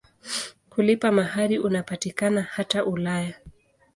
Kulipa mahari unapatikana hata Ulaya.